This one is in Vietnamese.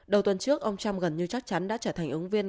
đầu tuần trước ông trump gần như chắc chắn đã trở thành ứng viên